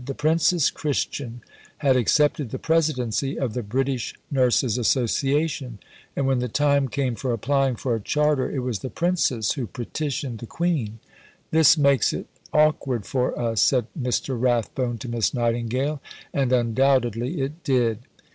The Princess Christian had accepted the presidency of the British Nurses Association; and when the time came for applying for a Charter, it was the Princess who petitioned the Queen. "This makes it awkward for us," said Mr. Rathbone to Miss Nightingale; and undoubtedly it did.